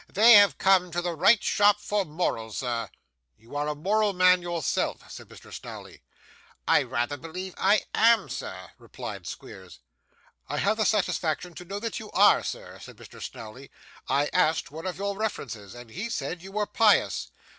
'They have come to the right shop for morals, sir.' 'You are a moral man yourself,' said Mr. Snawley. 'I rather believe I am, sir,' replied Squeers. 'I have the satisfaction to know you are, sir,' said Mr. Snawley. 'I asked one of your references, and he said you were pious.